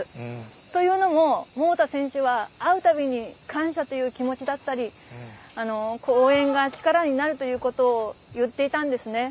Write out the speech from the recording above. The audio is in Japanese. というのも、桃田選手は会うたびに、感謝という気持ちだったり、応援が力になるということを言っていたんですね。